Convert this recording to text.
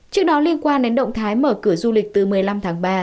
trước đó liên quan đến động thái mở cửa du lịch từ một mươi năm tháng ba